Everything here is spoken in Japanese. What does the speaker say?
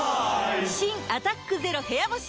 新「アタックＺＥＲＯ部屋干し」